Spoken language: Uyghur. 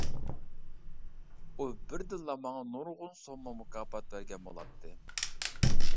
ئۇ بىردىنلا ماڭا نۇرغۇن سومما مۇكاپات بەرگەن بولاتتى!